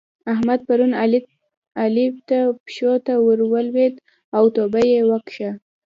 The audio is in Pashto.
احمد پرون علي ته پښو ته ور ولېد او توبه يې وکښه.